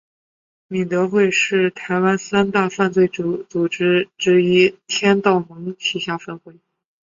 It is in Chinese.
敏德会是台湾三大犯罪组织之一天道盟旗下分会。